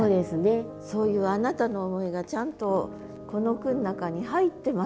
そういうあなたの思いがちゃんとこの句の中に入ってますよ。